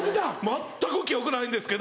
全く記憶ないんですけど。